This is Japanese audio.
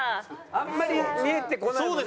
あんまり見えてこないもんね。